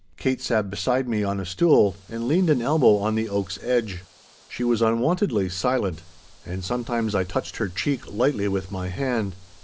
Kate sat beside me on a stool and leaned an elbow on the oak's edge. She was unwontedly silent, and sometimes I touched her cheek lightly with my hand.